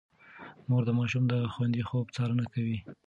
مور د ماشوم د خوندي خوب څارنه کوي.